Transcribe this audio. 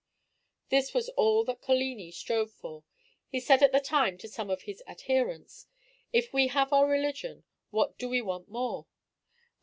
This was all that Coligni strove for. He said at the time to some of his adherents: "If we have our religion, what do we want more?"